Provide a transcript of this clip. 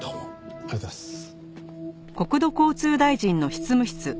ありがとうございます。